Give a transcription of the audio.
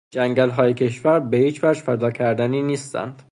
جنگلهای کشور به هیچ وجه فدا کردنی نیستند.